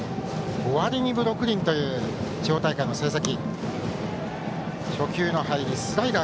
５割２分６厘という地方大会の成績。